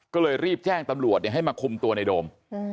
ก็เลยรีบแจ้งตำรวจให้มาคุมตัวในโดม